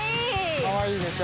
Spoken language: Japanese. かわいいでしょ？